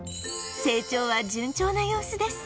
成長は順調な様子です